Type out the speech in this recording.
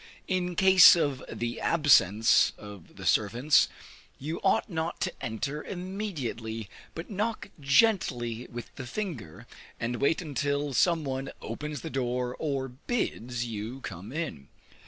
In case of the absence of the servants, you ought not to enter immediately, but knock gently with the finger, and wait until some one opens the door or bids you come in.